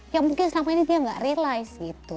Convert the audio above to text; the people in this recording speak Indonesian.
ya mungkin selama ini dia gak realize gitu